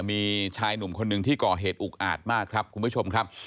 มีชายหนุ่มคนหนึ่งที่ก่อเหตุอุกอาจมากครับคุณผู้ชมครับ